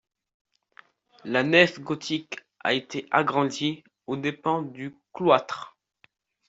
La nef gothique a été agrandie aux dépens du cloître.